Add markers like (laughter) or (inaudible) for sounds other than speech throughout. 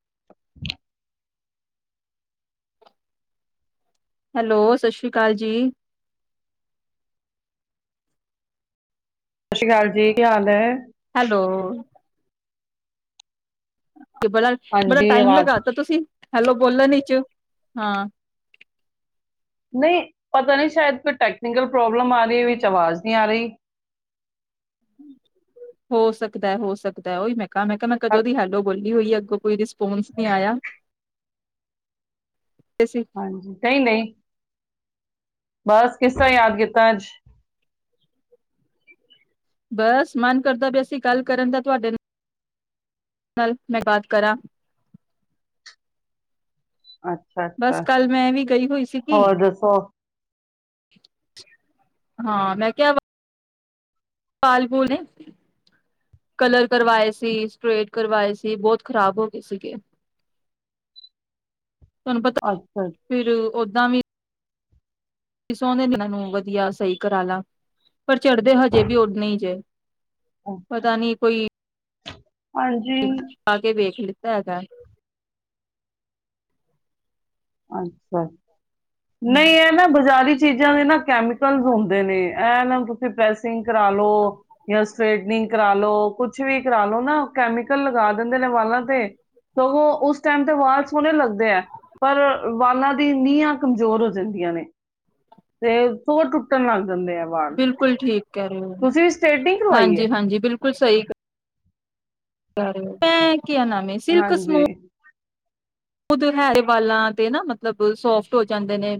(unintelligible) Hello ਸਤਿ ਸ੍ਰੀ ਅਕਾਲ ਜੀ। ਸਤਿ ਸ੍ਰੀ ਅਕਾਲ ਜੀ, ਕੀ ਹਾਲ ਹੈ? ਹੈਲੋ ਤੇ ਬੜਾ-ਬੜਾ ਹਾਂਜੀ ਟਾਈਮ ਆਵਾਜ਼ ਲਗਾਤਾ ਤੁਸੀਂ। ਹੈਲੋ ਬੋਲੋ ਵਿਚ ਨਹੀਂ, ਪਤਾ ਨਹੀਂ, ਸ਼ਾਇਦ ਕੋਈ ਟੈਕਨਕਲ ਪ੍ਰੋਬਲਮ ਆ ਰਹੀ, ਵਿੱਚ ਆਵਾਜ਼ ਨੀ ਆ ਰਹੀ। ਹੋ ਸਕਦਾ ਹੋ ਸਕਦਾ ਉਹੀ ਮੈਂ ਮੈਂ ਕਿਹਾ ਮੈਂ ਹਾਂ- ਕਦੋਂ ਦੀ ਹੈੱਲੋ ਬੋਲੀ। ਕੀ, ਅੱਗੋਂ ਕੋਈ ਰਿਸਪੋਂਸ ਨੀ ਆਇਆ। ਹਾਂਜੀ ਨਹੀ-ਨਹੀ। ਬਸ, ਕਿਸ ਤਰ੍ਹਾਂ ਯਾਦ ਕੀਤਾ ਅੱਜ? ਬਸ, ਮਨ ਕਰਦਾ ਪਿਆਸੀ ਗੱਲ ਕਰਨ ਦਾ ਤੁਹਾਡੇ ਨਾਲ। ਨਾਲੇ ਮੈਂ ਬਾਤ ਕਰਾਂ ਅੱਛਾ ਬਸ ਅੱਛਾ ਕੱਲ ਮੈਂ ਵੀ ਗਈ ਹੋਈ ਸੀਗੀ। ਹੋਰ ਦੱਸੋ? ਹਾਂ, ਮੈਂ ਕਿਹਾ। ਵਾਲ ਵੁ ਨੇ ਕਲਰ ਕਰਵਾਏ ਸੀ, ਸਟ੍ਰਰੇਟ ਕਰਵਾਏ ਸੀ ਬਹੁਤ ਖ਼ਰਾਬ ਹੋ ਗਏ ਸੀਗੇ ਤੂੰਹਾਨੂ ਪਤਾ ਅੱਛਾ ਫੀਰ ਓਦਾਂ ਵੀ। ਸੋਹਣੇ ਇਹ ਨੂੰ ਵਧੀਆ ਸਹੀ ਕਰਾ ਲਾ ਪਰ ਚੜ੍ਹਦੇ ਹਜੇ ਵੀ ਉਹਨੇ ਜੇ। ਅੱਛਾ ਪਤਾ ਨੀ ਕੋਈ। ਹਾਂਜੀ। ਆ ਕੇ ਵੇਖ ਲਈ ਹੈਗਾ। ਅੱਛਾ। ਨਹੀਂ ਹੈ ਨਾ ਬਾਜ਼ਾਰੀ ਚੀਜ਼ਾਂ ਦੇ ਨਾ ਕੈਮੀਕਲ ਹੁੰਦੇ ਨੇ ਇਹ ਨਾ ਤੁਸੀਂ ਪ੍ਰੈਸਿੰਗ ਕਰਾ ਲੋ, ਜਾਂ ਸਟ੍ਰੇਟਨਿੰਗ ਕਰਾ ਲੋ ਕੁਛ ਵੀ ਕਰਾ ਲੋ ਨਾ ਕੈਮੀਕਲ ਲਗਾ ਦਿੰਦੇ ਨੇ ਵਾਲਾਂ ਤੇ ਸਗੋਂ ਉਸ ਟਾਈਮ ਤੇ ਵਾਲ ਸੋਹਣੇ ਲੱਗਦੇ ਹੈ ਪਰ ਵਾਲਾਂ ਦੀ ਨੀਹਾਂ ਕਮਜ਼ੋਰ ਹੋ ਜਾਂਦੀਆਂ ਨੇ, ਤੇ ਸੋਰ ਟੁੱਟਣ ਲੱਗ ਦਿੰਦੇ ਆ ਵਾਲ ਬਿਲਕੁਲ ਠੀਕ ਕਹਿ ਰਹੇ ਹੋ ਤੁਸੀਂ ਵੀ ਸਟੇਟਿੰਗ ਕਰਵਾਈ ਹੈ। ਹਾਂਜੀ-ਹਾਂਜੀ ਬਿਲਕੁਲ ਸਹੀ। (unintelligible) ਕਿਆ ਹੈ ਮੈਨੇ ਸਿਲਕ ਹਾਂਜੀ ਸਮੂਥ ਖੁਦ ਹੈਰੇ ਵਾਲਾਂ ਤੇ ਨਾ ਮਤਲਬ ਸੋਫਟ ਹੋ ਜਾਂਦੇ ਨੇ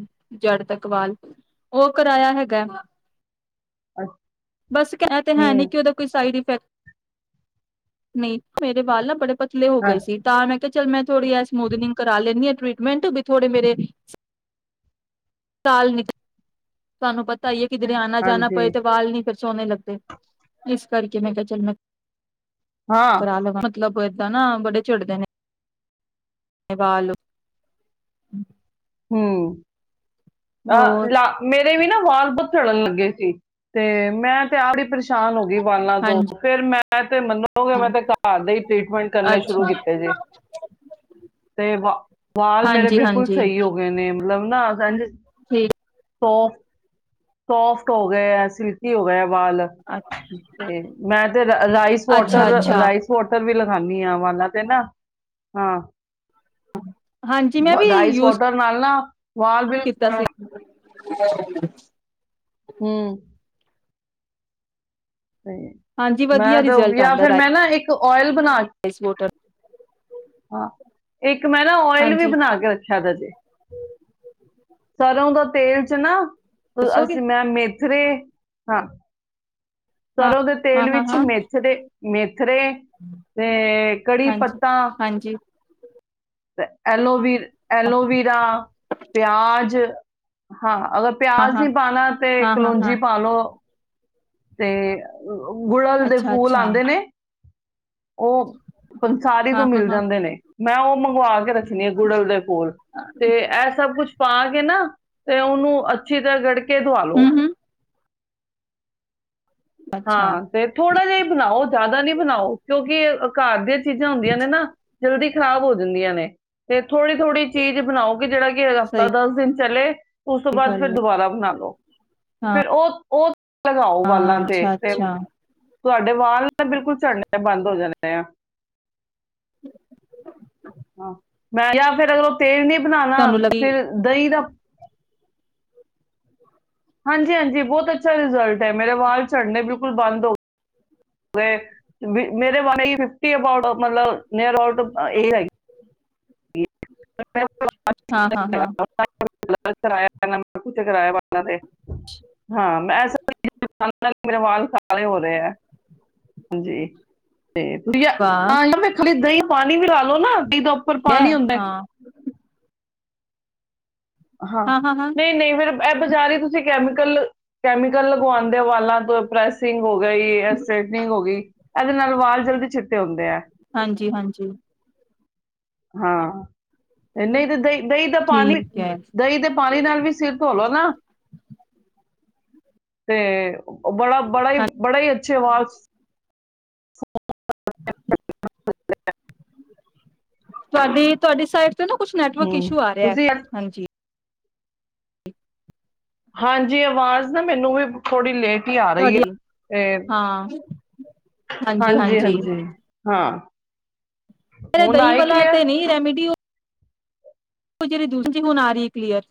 ਜੜ ਤੱਕ ਵਾਲ ਉਹ ਕਰਾਇਆ ਹੈਗਾ। ਅੱਛਾ। ਬਸ ਕਹਿਣ ਤੇ ਹੈ ਨੀ ਹੂੰ ਕਿ ਉਹਦਾ ਕੋਈ ਸਾਈਡ ਨਹੀਂ, ਮੇਰੇ ਵਾਲ ਆ ਬੜੇ ਪਤਲੇ ਹੋ ਹਾਂ, ਗਏ ਸੀ ਤਾਂ ਮੈਂ ਮ ਬ ਬ ਬ ਬ ਬ ਬ ਬ ਬ ਬ (unintelligible) ਕਿਦਰਿ ਆਣਾ -ਜਾਣਾ ਹਾਂਜੀ ਪਏ ਤੇ ਵਾਲ ਨ ਸੋਹਣੇੇ ਲੱਗਦੇ ਇਸ ਕਰਕੇ ਮੈਂ ਕਿਹਾ ਚਲ ਮੈਂ ਹਾਂ ਪਰਲ (unintelligible) ਮਤਲਬ ਏਦਾਂ ਨਾ ਬੜੇ ਝਿੜਦੇ ਨੇ ਵਾਲ ਲੋ ਹਮ। ਅ ਹੋਰ ਲ ਮੇ (unintelligible) ਵੀ ਨਾ ਵਾਲ ਬੜੇ ਚੜਨ ਲੱਗੇ ਸੀ ਤੇ ਮੈਂ ਆਪ ਹੀ ਪਰੇਸ਼ਾਨ ਹੋ ਗਈ ਵਾਲਾਂ ਤੋਂ ਹਾਂਜੀ ਫੇਰ ਮੈਂ ਸਤ ਤੇ ਮੰਨੋਗੇ ਮੈਂ ਤੇ ਘਰ ਦੇ ਹੀ ਟੀਟਮੈਂਟ ਕਰਨੇ ਸ਼ੁਰੂ ਅੱਛਾ ਕੀਤੇ ਜੇ, ਤੇ ਵਾਲ ਮੇਰੇ ਹਾਂਜੀ ਬਿਲਕੁਲ ਹਾਂਜੀ ਸਹੀ ਹੋ ਗਏ। ਨੇ ਮਤਲਬ ਨਾ ਸਾਂਝ (unintelligible) ਠੀਕ। ਹੋ ਸੋਫਟ ਹੋ ਗਏ ਸਿਲਕੀ ਹੋ ਗਏ ਆਏ। ਞਾਲ ਅੱਛਾ ਤੇ ਮੈਂ ਤੇ ਰਾਈਸ ਵਾਟਰ ਅੱਛਾ ਅੱਛਾ ਰਾਈਸ ਵਾਟਰ ਵੀ ਲੈ ਗਾਦੀ। ਠੀਆਂ ਵਾਲਾ ਤੇ ਨਾ, ਹਾਂ - ਰਾਈਸ ਵੋਟਰ ਨਾਲ ਨਾ ਵਾਲ ਬਿਲ ਕਿ ਕੀਤਾ ਹੂ ਸਹੀ ਹਾਂਜੀ ਮੈਂ ਤਾਂ ਜਾਂ ਫਿਰ ਮੈਂ ਨਾ ਇੱਕ ਤੋ ਔਇਲ ਇਸ ਮੋਟਰ ਹਾਂ ਇੱਕ ਇੱਕ ਮੈਂ ਨਾ ਔਇਲ ਵੀ ਬਣਾ ਕੇ ਰੱਖਿਆ ਪਇਆ ਜੇ ਸਰ੍ਹੋਂ ਦਾ ਤੇਲ ਚ ਨਾ ਦੱਸੋਗੇ ਅਸੀਂ ਮੈਂ ਮੇ ਥਰੇ ਹਾਂ। ਹਾਂ ਸਰ੍ਹੋਂ ਦੇ ਹਾਂ ਤੇਲ ਹਾਂ ਵਿੱਚ ਹਾਂ ਮੇਥਰੇ ਮੇਰ ਥਰੇ ਤੇ ਕੜੀ ਹਾਂਜੀ ਪੱਤਾ ਹਾਂਜੀ ਤੇ ਐਲੋਵੀਰ ਐਲੋਵੀਰਾ, ਪਿਆਜ ਹਾਂ। ਅਗਰ ਹਾਂ ਪਿਆਜ਼ ਹਾਂ ਨਹੀਂ ਪਾਣਾ ਤੇ ਹਾਂ ਹਾਂ ਹਾਂ ਕਲੋਂਜੀ ਪਾ ਲਓ। ਤੇ ਗੁੜਲ ਦੇ ਅੱਛਾ ਫੁੱਲ ਅੱਛਾ ਆਉਂਦੇ ਨੇ। ਉਹ ਪੰਸਾਰੀ ਤੋਂ ਹਾਂ ਹਾਂ ਮਿਲ ਹਾਂ ਜਾਂਦੇ ਨੇ। ਮੈਂ ਉਹ ਮੰਗਵਾ ਕੇ ਨੇ ਗੂੜਲ ਦੇ ਕੋਲ ਤੇ ਇਹ ਸਭ ਕੁਛ ਪਾ ਕੇ ਨਾ ਤੇ ਉਹਨੂੰ ਅੱਛੀ ਤਰ੍ਹਾਂ ਗੜਕੇ ਤਵਾ ਲੋ ਹਮ ਹਮ ਅੱਛਾ ਹਾਂ ਤੇ ਥੋੜ੍ਹਾ ਜਿਹਾ ਬਣਾਓ ਜ਼ਿਆਦਾ ਨੀ ਬਣਾਓ ਕਿਉਂਕਿ ਅ ਕਾਰ ਦੇ ਚੀਜ਼ਾਂ ਹੁੰਦੀਆਂ ਨੇ ਨਾ ਜਲਦੀ ਖਰਾਬ ਹੋ ਦਿੰਦੀਆਂ ਨੇ ਤੇ ਥੋੜ੍ਹੀ -ਥੋੜ੍ਹੀ ਚੀਜ਼ ਬਣਾਓ ਕਿ ਜਿਹੜਾ ਕਿ ਹਫ਼ਤਾ ਸਹੀ ਦਸ ਦਿਨ ਚਲੇ (unintelligible) ਉਸ ਤੋਂ ਬਾਅਦ ਫਿਰ ਗੱਲ ਦੁਬਾਰਾ ਬਣਾ ਲੋ। ਹਾਂ ਫਿਰ ਉਹ, ਉਹ ਲਗਾਓ ਵਾਲਾਂ ਹਾਂ ਤੇ, ਅੱਛਾ ਤੇ ਅੱਛਾ ਤੁਹਾਡੇ ਵਾਲ ਨਾਲ ਬਿਲਕੁਲ ਝੜਨੇ ਬੰਦ ਹੋ ਜਾਂਣੇ ਆ। ਆਹ, ਮੈਂ ਜਾਂ ਫਿਰ ਅਗਰ ਉਹ ਤੇਜ਼ ਨੀ, ਬਣਾਣਾ ਤੁਹਾਨੂੰ ਲੱਗੀ ਫੇਰ ਦਹੀਂ ਦਾ, ਹਾਂਜੀ-ਹਾਂਜੀ, ਬਹੁਤ ਅੱਛਾ ਰਿਜ਼ਲਟ ਹੈ, ਮੇਰੇ ਵਾਲ ਝੜਨੇ ਬਿਲਕੁਲ ਬੰਦ ਹੋ ਗਏ, ਮੇਰੇ ਵਾਲ ਫਿਫਟੀ ਅਬਾਉਟ ਮਤਲਬ ਨਿਅਰ ਅਬਾਊਟ ਐ ਜੀ। (unintelligible) (inaudible) ਹਾਂ ਮੈਂ, ਹਾਂ ਹਾਂ ਹਾਂ (unintelligible) ਮੇਰਾ ਵਾਲ (unintelligible) ਐਵ ਹੋ ਰਿਹਾ। ਹਾਂਜੀ, ਤੇ ਵਧੀਆ ਵਾਹ (unintelligible) ਪਾਣੀ ਵੀ ਲਾਲੋ ਨਾ, ਦੀ ਦਾ ਉੱਪਰ ਹੈ ਪਾਣੀ ਹੁੰਦਾ। (unintelligible) ਹਾਂ ਨਹੀਂ-ਨਹੀਂ ਫੇਰ, ਇਹ ਬਜ਼ਾਰੀ ਤੁਸੀਂ ਕੈਮੀਕਲ, ਕੈਮੀਕਲ ਲਗਵਾਦੇ ਵਾਲਾਂ ਤੇ ਪ੍ਰੈਸਿੰਗ ਹੋ ਗਈ ਸਟੇਟਨਿੰਗ ਹੋ ਗਈ। ਇਹਦੇ ਨਾਲ ਵਾਲ ਜਲਦੀ ਚਿੱਟੇ ਹੁੰਦੇ ਆ। ਹਾਂਜੀ-ਹਾਂਜੀ, ਹਾਂ, ਨਹੀਂ ਤੇ ਦਹੀਂ-ਦਹੀਂ ਦਾ ਪਾਣੀ, ਠੀਕ ਹੈ ਦਹੀਂ ਦੇ ਪਾਣੀ ਨਾਲ ਵੀ ਸਿਰ ਧੋਲੋ ਨਾ, ਤੇ, ਬੜਾ-ਬੜਾ ਹੀ ਬੜਾ ਹੀ (unintelligible) ਵਸ, (unintelligible) (unintelligible) ਤੁਹਾਡੀ-ਤੁਹਾਡੀ ਸਾਈਡ, ਤੇ ਨਾ ਕੁਛ ਨੈਟਵਰਕ ਹਮ ਇਸ਼ੂ ਆ ਰਿਹਾ, ਤੁਸੀਂ ਹਾਂਜੀ ਹਾਂਜੀ ਆਵਾਜ਼ ਨਾ ਮੈਨੂੰ ਵੀ ਥੋੜੀ ਲੇਟ ਆ ਰਹੀ ਤੁਹਾਡੀ ਹੈ, ਇਹ ਹਾਂ ਹਾਂਜੀ ਹਾਂਜੀ-ਹਾਂਜੀ ਹਾਂ। ਅਰੇ ਹੁਣ ਦਹੀਂ ਆਈ ਵਾਲਾ ਕਲੀਅਰ ਤੇ ਨੀ ਰੈਮੀਡੀ, ਉਹ ਉਹ ਜਿਹੜੀ ਦੂਸਰੀ ਹੁਣ ਆ ਰਹੀ ਹੈ, ਕਲੀਅਰ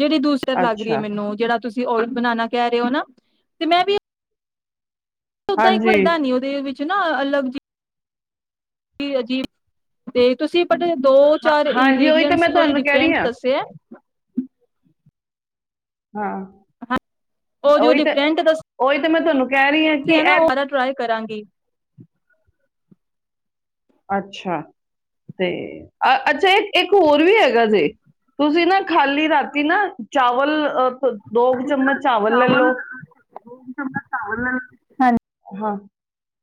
ਜਿਹੜੀ ਦੁਸਰੀ ਲਗ ਰਹੀ ਹੈ, ਅੱਛਾ ਮੈਨੂੰ ਜਿਹੜਾ ਤੁਸੀ ਜੇ ਔਰਤ ਬਣਾਉਣਾ ਕਹਿ ਰਹੇ ਹੋ ਨਾ, ਤੇ ਮੈਂ ਵੀ ਉਦਾ ਇੱਕ ਹਾਂਜੀ ਫੁਲਦਾ ਨੀ, ਉਹਦੇ ਵਿੱਚ ਇਕ ਨਾ ਅਲੱਗ ਜੀ, ਅਜੀਬ, ਤੇ ਤੁਸੀਂ ਬਟ ਦੋ, ਹਾਂ- ਚਾਰ ਹਾਂਜੀ ਉਹੀ ਤਾਂ ਇੰਗ੍ਰਰੀਡੀਅਂਟਸ ਮੈਂ ਥੋੜੇ ਤੁਹਾਨੂੰ ਕਹਿ ਰਹੀ ਡਿਫਰੈਂਟ ਹਾਂ ਦੱਸੇ ਹੈ। ਹਾਂ। ਉਹ ਜੋ ਉਹੀ ਤਾਂ, ਡਿਫਰੈਂਟ ਦੱਸੇ ਉਹੀ ਤਾਂ ਮੈਂ ਤੁਹਾਨੂੰ ਕਹਿ ਰਹੀ ਹਾਂ, ਕਿ ਆ ਨਾ ਇਹ ਉਹ ਸਾਰਾ ਟਰਾਈ ਕਰਾਂਗੀ। ਅੱਛਾ, ਤੇ ਅ ਅੱਛਾ ਇਕੱ ਇੱਕ ਹੋਰ ਵੀ ਹੈਗਾ ਜੇ, ਤੁਸੀਂ ਨਾ ਖਾਲੀ ਰਾਤੀ ਨਾ ਚਾਵਲ ਦੋ, ਕੁ, ਚਮਚ ਚਾਵਲ ਲੈਲੋ। ਦੋ ਚਮਚ ਚਾਵਲ ਲੈ ਲਓ ਹਾਂ।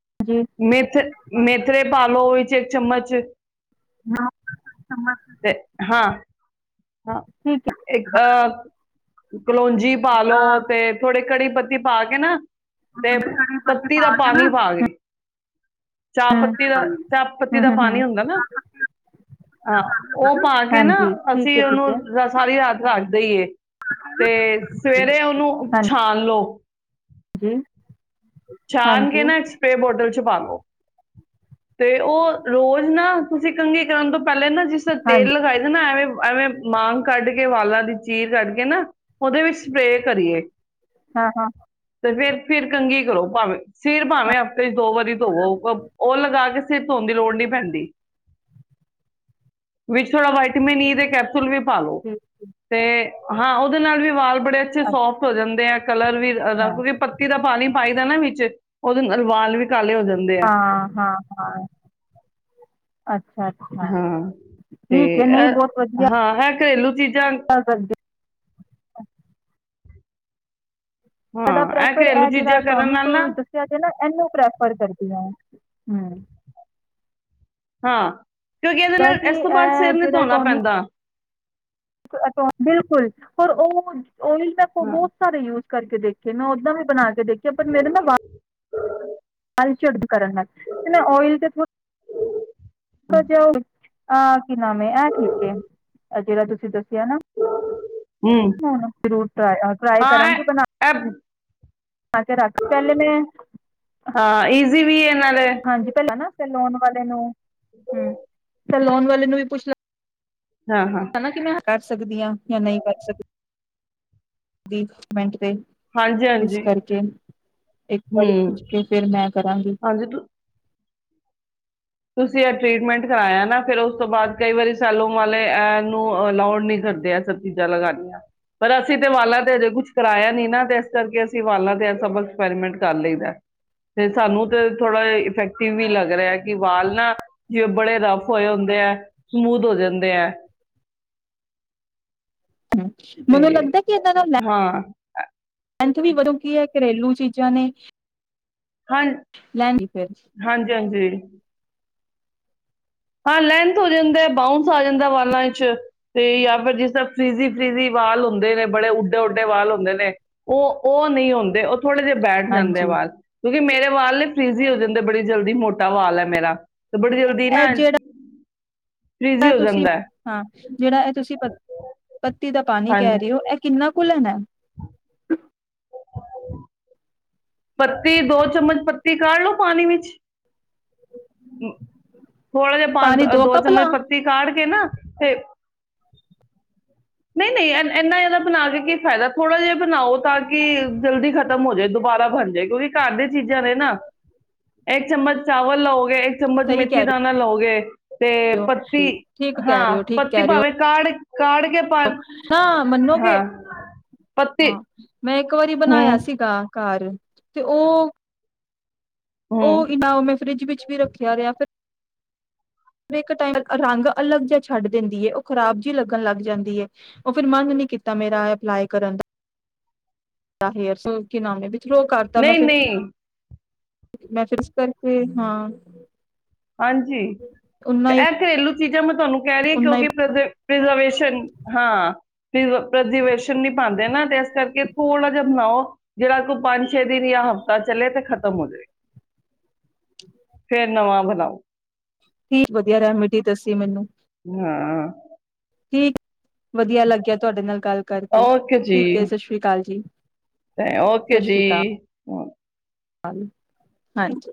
ਹਾਂਜੀ ਮੇਥਰ, ਮੇਥਰੇ ਪਾ ਲੋ ਇੱਕ ਚਮਚ ਨਮਕ ਚਮਚ ਤੇ, ਹਾਂ ਹਾਂ, ਠੀਕ ਹੈ। ਇੱਕ ਆ ਕਲੋਂਜੀ ਪਾ ਲੋ ਹਾਂ ਤੇ ਥੋੜੇ ਕੜੀ ਪੱਤੇ ਵਿੱਚ ਪਾ ਕੇ ਨਾ ਅ ਤੇ, ਕੜੀ ਪੱਤੀ ਦਾ ਪਾ ਕੇ ਨਾ ਪਾਣੀ ਪਾ ਦੇਉ। ਚਾਹ ਹੂੰ, ਪੱਤੀ ਦਾ, ਚਾਹ ਪੱਤੀ ਹੂੰ, ਦਾ ਹੂੰ, ਪਾਣੀ ਹੂੰ। ਹੁੰਦਾ ਏ ਨਾ, ਹਾਂ, ੍ ਉਹ ਪਾ ਕੇ ਨਾ, ਹਾਂਜੀ, ਠੀਕ ਹੈ, ਅਸੀਂ ਠੀਕ ਹੈ, ਉਹਨੂੰ ਸਾਰੀ ਰਾਤ ਰਖ ਸਹੀਏ ਤੇ, ਸਵੇਰੇ, ਉਹਨੂੰ ਛਾਣ ਲੋਓ। ਹੂੰ ਛਾਣ ਕੇ ਨਾ, ਸਪ੍ਰੇ ਬੋਟਲ ਚ ਪਾਲੋ। ਤੇ, ਉਹ ਰੋਜ਼ ਨਾ, ਤੁਸੀਂ ਕੰਘੀ ਕਰਨ ਤੋਂ ਪਹਿਲੇ ਨਾ, ਜਿਸ ਤਰ੍ਹਾਂ ਹਾਂਜੀ, ਤੇਲ ਲਗਾਈਦਾ ਏ ਨਾ ਐਵੇਂ, ਐਵੇਂ ਮਾਂਗ ਕੱਢ ਕੇ ਤੇ ਵਾਲਾਂ ਦੀ ਚੀਰ ਕੱਢ ਕੇ ਨਾ ਉਹਦੇ ਵਿੱਚ, ਸਪ੍ਰੇ ਕਰੀਏ, ਹਾਂ, ਹਾਂ, ਤੇ ਫੇਰ ਫੇਰ, ਕੰਘੀ ਕਰੋ। ਪਾਵੇਂ ਸਿਰ ਭਾਵੇਂ ਹਫ਼ਤੇ ਚ ਦੋ ਵਾਰੀ ਧੋਵੋ, ਉਹ ਲਗਾ ਕੇ ਸਿਰ ਧੋਣ ਦੀ ਲੋੜ ਨਹੀਂ ਪੈਂਦੀ, ਵਿੱਚ ਥੋੜ੍ਹਾ ਵਾਈਟਮਿਨ ਈ ਦੇ ਕੈਪਸੂਲ ਫੁੱਲ, ਵੀ ਪਾਾਲੋ ਠੀਕ, ਠੀਕ ਤੇ ਹਾਂ ਉਹਦੇ ਨਾਲ ਵੀ ਵਾਲ ਬੜੇ ਅੱਛੇ ਸੋਫਟ ਹੋ ਜਾਂਦੇ ਆ ਕਲਰ ਵੀ ਅੱਛਾ, ਕਿਉਂਕਿ ਪੱਤੀ ਦਾ ਪਾਣੀ ਪਾਈ ਦਾ ਨਾ ਵਿੱਚ ਉਹਦੇ ਨਾਲ ਵਾਲ ਵੀ ਕਾਲੇ ਹੋ ਜਾਂਦੇ ਆ ਹਾਂ ਹਾਂ ਹਾਂ ਅੱ ਅੱਛਾ ਅੱਛਾ ਹਾਂ ਤੇ ਠੀਕ ਏ ਨਹੀਂ ਬਹੁਤ ਇਹ ਵਧੀਆ ਹਾਂ ਇਹ ਘਰੇਲੂ ਚੀਜ਼ ਚੱਲ ਸਕਦੇ ਹਾਂ ਇਹਦਾ ਪ੍ਰੈਫਰ ਘਰੇਲੂ ਇਹ ਜਿਹੜਾ ਚੀਜ਼ਾਂ ਕਰਨ ਟੋਨਿਕ ਨਾਲ ਨਾ ਦੱਸਿਆ ਜੇ ਨਾ ਏਹਨੂੰ ਪ੍ਰੈਫਰ ਕਰਦੀ ਆ ਹ ਹਾਂ ਕਿਉਂਕਿ ਇਹਦੇ ਨਾਲ ਕਿ ਇਸ ਤੋਂ ਬਾਅਦ ਸਿਰ ਇਹ ਨੀ ਜਿਹੜਾ ਧੋਣਾ ਟੋਨਿਕ ਪੈਂਦਾ ਬਿਲਕੁਲ ਪਰ ਉਹ ਓਇਲ ਦਾ ਤੇ ਹਾਂ ਬਹੁਤ ਸਾਰੇ ਯੂਜ ਕਰਕੇ ਦੇਖੇ ਨਾ ਓਦਾਂ ਵੀ ਬਣਾ ਦੇਖਿਆ ਪਰ ਮੇਰੇ ਨਾਂ ਵਾ ਚੁਰਬ ਕਰਨ ਨਾਲ ਤੇ ਮੈਂ ੳਏਲ ਤੇ ੋੜਾ ਜਾ (inaudible) ਆਹ ਕੀ ਨਾਮ ਏ ਇਹ ਠੀਕ ਜਿਹੜਾ ਤੁਸੀਂ ਦਸ ਕਿਆ ਨਾ ਹਮ ਹੁਣ ਜ਼ਰੂਰ ਟਰਾ ਟਰਾਏ ਹਾਂ ਕਰਾਂਗੇ ਬਣਾ ਇਹ ਇਹ ਆ ਕੇ ਰੱਖ ਪਹਿਲੇ ਮੈਂ ਜ਼ਿ ਵੀ ਐਨ ਹਾਂਜੀ ਪਹਿਲਾਂ ਨਾ ਤੇ ਲੋਨ ਵਾਲੇ ਨੂੰ ਹੁ ਤੇ ਲੋਨ ਵਾਲੇ ਨੂੰ ਵੀ ਪੁੱਛ ਲ ਹਾਂ ਹਾਂ ਨਾ ਕਿ ਮੈਂ ਕਰ ਸਕਦੀਆਂ ਜਾਂ ਨਹੀਂ ਕਰ ਸਕ ਵੀ ਮਿੰਟ ਤੇ ਹਾਂਜੀ ਇਸ ਹਾਂਜੀ ਕਰਕੇ ਇੱਕ ਵਾਰੀ ਹਮ ਪੁੱਛ ਕੇ ਫਿਰ ਮੈਂ ਕਰਾਂਗੀ ਹਾਂਜੀ ਤੁਸੀਂ ਇਹ ਟਰੀਟਮੈਂਟ ਕਰਾਇਆ ਨਾ, ਫਿਰ ਉਸ ਤੋਂ ਬਾਅਦ ਕਈ ਵਾਰੀ ਸੈਲੋਨ ਵਾਲੇ ਐਨੋ ਅਲਾਉਡ ਨੀ ਕਰਦੇ ਸਭ ਚੀਜ਼ਾਂ ਲਗਾਨੀਆਂ, ਪਰ ਅਸੀਂ ਤੇ ਵਾਲਾਂ ਤੇ ਅਜੇ ਕੁਛ ਕਰਾਇਆ ਨੀ ਨਾ ਤੇ ਇਸ ਕਰਕੇ ਅਸੀਂ ਵਾਲਾਂ ਤੇ ਇਹ ਸਭ ਐਕਸਪੈਰੀਮੈਂਟ ਕਰ ਲਈਦਾ, ਤੇ ਸਾਨੂੰ ਤੇ ਥੋੜਾ ਇਫੈਕਟਿਵ ਵੀ ਲੱਗ ਰਿਹਾ। ਕਿ ਵਾਲ ਨਾ ਜਿਵੇਂ ਬੜੇ ਰਫ ਹੋਏ ਹੁੰਦੇ ਹੈ, ਸਮੂਥ ਹੋ ਜਾਂਦੇ ਹੈ। ਹੂੰ, ਮੈਨੂੰ ਲੱਗਦਾ ਕਿ ਇਹਨਾਂ ਨਾਲ ਐਂਥ ਵੀ ਵਧੋਂ ਕੀ ਹੈ। ਘਰੇਲੂ ਚੀਜ਼ਾਂ ਨੇ, ਹਾਂ ਲੈਂਦੀ ਫਿਰ ਹਾਂਜੀ-ਹਾਂਜੀ, ਹਾਂ ਲੈਂਥ ਹੋ ਜਾਂਦਾ ਬਾਊਂਸ ਆ ਜਾਂਦਾ ਵਾਲਾਂ ਚ ਤੇ ਜਾਂ ਫਿਰ ਜਿਸ ਫ੍ਰਿਜੀ ਫ੍ਰਿਜੀ ਵਾਲ ਹੁੰਦੇ ਨੇ, ਬੜੇ ਉੱਡੇ ਉਡੇ ਵਾਲ ਹੁੰਦੇ ਨੇ ਉਹ ਉਹ ਨਹੀਂ ਹੁੰਦੇ। ਥੋੜ੍ਹੇ ਜਹੇ ਬੈਠ ਜਾਂਦੇ ਐ ਹਾਂਜੀ ਵਾਲ, ਕਿਉਂਕਿ ਮੇਰੇ ਵਾਲ ਫ੍ਰਿਜ਼ੀ ਹੋ ਜਾਂਦੇ ਬੜੀ ਜਲਦੀ ਮੋਟਾ ਵਾਲ ਹੈ, ਮੇਰਾ ਬੜੀ ਜਲਦੀ ਨਾ, ਇਹ ਜਿਹੜਾ ਫਰੀਜ਼ੀ ਹੋ ਤੁਸੀਂ ਜਾਂਦਾ ਹੈ ਹਾਂ ਜਿਹੜਾ ਇਹ ਤੁਸੀਂ ਪੱਤੀ ਦਾ ਪਾਣੀ ਕਹਿ ਹਾਂਜੀ ਰਹੇ ਹੋ ਇਹ ਕਿੰਨਾ ਕੁ ਕੁੂਲ ਨਾ (unintelligible) ਪੱਤੀ ਦੋ ਚਮਚ ਪੱਤੀ ਕਾਢ ਲੋ ਪਾਣੀ ਵਿੱਚ ਥੋੜਾ ਜਿਹਾ ਪਾਣੀ ਪਾ ਦੋ ਕੱਪ ਲਾ ਚਮਚ ਪੱਤੀ ਕਾੜ ਕੇ ਨਾ ਤੇ, ਨਹੀਂ-ਨਹੀਂ, ਇੰਨਾ ਜ਼ਿਆਦਾ ਬਣਾ ਕੇ ਕੀ ਫਾਇਦਾ ਥੋੜ੍ਹਾ ਜਿਹਾ ਬਣਾਓ, ਤਾਂ ਕਿ ਜਲਦੀ ਖਤਮ ਹੋ ਜਾਏ, ਦੁਬਾਰਾ ਬਣ ਜਾਏ ਕਿਉਂਕਿ ਘਰ ਦੀ ਚੀਜ਼ਾਂ ਨੇ ਨਾ ਇੱਕ ਚਮਚ ਚਾਵਲ ਲਓਗੇ, ਇੱਕ ਚਮਚ ਸਹੀ ਮੇਥੀ ਕਹਿ ਰਹੇ ਦਾਨਾ ਲਓਗੇ। ਤੇ ਹੋ ਪੱਤੀ ਠੀਕ ਕਹਿ ਹਾਂ ਪੱਤੀ ਭਾਵੇਂ ਕਾੜ-ਕਾੜ ਕੇ, ਪਾ ਹਾਂ ਮੰਨੋ ਕਿ ਹਾਂ ਪੱਤੀ ਹਾਂ ਮੈਂ ਇੱਕ, ਹੂੰ ਬਣਾਇਆ ਸੀਗਾ। ਘਰ ਤੇ ਉਹ ਹੂੰ ਉਹ ਨੀ ਨਾ ਫਰਿਜ ਵਿੱਚ, ਵੀ ਰੱਖਿਆ ਰਿਹਾ ਫਿ ਇੱਕ ਟੈਮ ਰੰਗ ਅਲੱਗ ਜਿਹਾ ਛੱਡ ਦਿੰਦੀ ਹੈ, ਉਹ ਖ਼ਰਾਬ ਜਿਹੀ ਲੱਗਣ ਲੱਗ ਜਾਂਦੀ ਹੈ, ਉਹ ਫਿਰ ਮੰਗ ਨੀ ਕੀਤਾ ਮੇਰਾ ਅਪਲਾਈ ਕਰਨ ਦਾ ਕੀ ਨਾਮ ਥਰੋ ਕਰਤਾ ਮੈਂ ਨਹੀਂ ਫਿਰ ਨਹੀਂ ਮੈਂ ਫਿਰ ਇਸ ਕਰਕੇ ਹਾਂ। ਹਾਂਜੀ ਓਨਾ ਹੀ ਇਹ ਘਰੇਲੂ, ਚੀਜ਼ ਮੈਂ ਤੁਹਾਨੂੰ, ਕਹਿ ਰਹੇ ਓਨਾ (unintelligible) ਹਾਂ (unintelligible) ਨੀ ਪਾਉਂਦੇ ਨਾ ਤੇ ਇਸ ਕਰਕੇ ਥੋੜਾ ਜਹਾ ਬਣਾਓ, ਜਿਹੜਾ ਕੋਈ ਪੰਜ ਛੇ ਦਿਨ ਜਾਂ ਹਫ਼ਤਾ ਚਲੇੇ ਤੇ ਖਤਮ ਹੋਜੇ। ਫੇਰ ਨਵਾਂ ਬ (unintelligible) ਠੀਕ ਵਧੀਆ ਰੈਮੇਡੀ ਦੱਸੀ ਮੈਨੂੰ। ਹਾਂ। ਠੀਕ, ਵਧੀਆ ਲੱਗਿਆ ਤੁਹਾਡੇ ਨਾਲ ਗੱਲ ਕਰਕੇ ਓਕੇ ਜੀ, ਠੀਕ ਹੈ ਸਤਿ ਸ੍ਰੀ ਅਕਾਲ ਜੀ ਏ ਓਕੇ ਸਤਿ ਜੀ। ਸ੍ਰੀ ਅਕਾਲ ਹਾਂਜੀ।